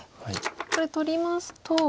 これ取りますと。